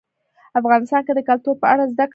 افغانستان کې د کلتور په اړه زده کړه کېږي.